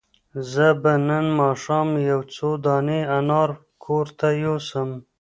زه به نن ماښام یو څو دانې انار کور ته یوسم.